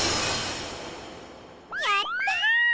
やった！